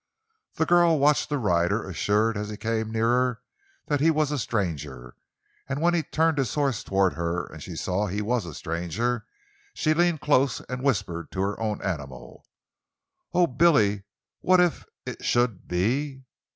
The girl watched the rider, assured, as he came nearer, that he was a stranger; and when he turned his horse toward her, and she saw he was a stranger, she leaned close and whispered to her own animal: "Oh, Billy; what if it should be!"